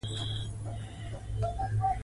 د ده لیکنې په پوره غور ولولو.